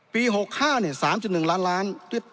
๖๕๓๑ล้านล้าน